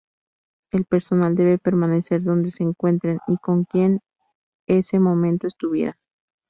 El personal debe permanecer donde se encuentren -y con quien en ese momento estuvieran-.